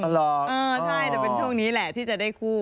ใช่จะเป็นช่วงนี้แหละที่จะได้คู่